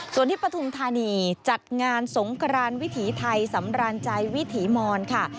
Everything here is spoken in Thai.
ส่วนที่ปฐุมธานีจัดงานสงกรานวิถีไทยสำราญใจวิถีมอนค่ะ